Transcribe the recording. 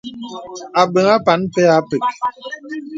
Àbə̀ŋ àpàn mpɛ̄ à pə̀k.